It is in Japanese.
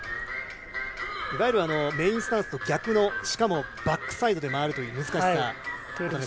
いわゆるメインスタンスとは逆のしかもバックサイドで回るという難しさ。